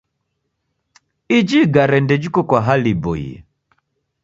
Iji igare ndejiko kwa hali iboie.